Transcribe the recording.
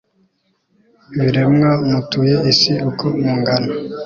biremwa mutuye isi uko mungana